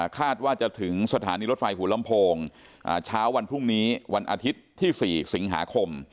คาดว่าจะถึงสถานีรถไฟหัวลำโพงเช้าวันพรุ่งนี้วันอาทิตย์ที่๔สิงหาคม